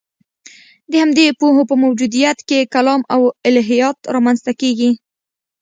د همدې پوهو په موجودیت کې کلام او الهیات رامنځته کېږي.